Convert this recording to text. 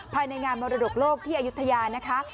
ภายในงานมรดกโลกที่อายุทยานะคะ